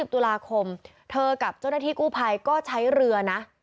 ตุลาคมเธอกับเจ้าหน้าที่กู้ภัยก็ใช้เรือนะ